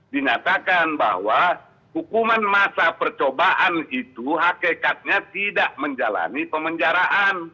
dinyatakan bahwa hukuman masa percobaan itu hakikatnya tidak menjalani pemenjaraan